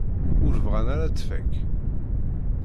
Ur bɣan ara ad tfak.